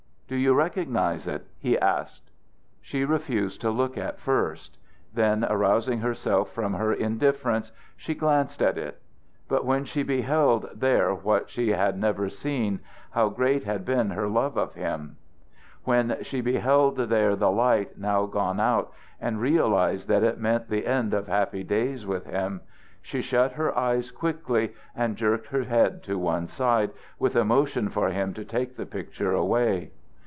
"Do you recognize it?" he asked. She refused to look at first. Then arousing herself from her indifference she glanced at it. But when she beheld there what she had never seen how great had been her love of him; when she beheld there the light now gone out and realized that it meant the end of happy days with him, she shut her eyes quickly and jerked her head to one side with a motion for him to take the picture away.